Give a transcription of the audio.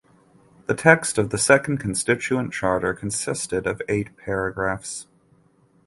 The text of the Second Constituent Charter consisted of eight paragraphs.